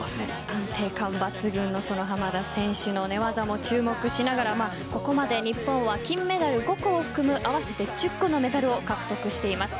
安定感抜群の濱田選手の寝技も注目しながらここまで日本は金メダル５個を含む合わせて１０個のメダルを獲得しています。